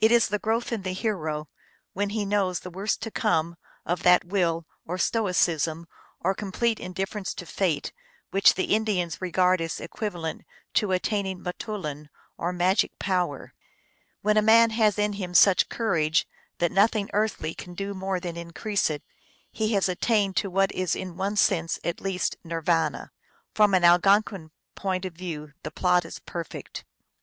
It is the growth in the hero, when he knows the worst to come, of that will, or stoicism, or complete indifference to fate, which the Indians regard as equivalent to attaining m toulin, or magic power. When a man has in him such cour age that nothing earthly can do more than increase it, he has attained to what is in one sense at least Nir vana. From an Algonquin point of view the plot is perfect.